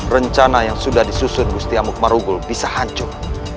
rencana yang sudah disusun musti amuk marugul bisa hancur